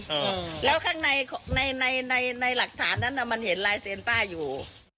อืมแล้วข้างในในในหลักฐานมันเรียนรายเซนต์ป้าอยู่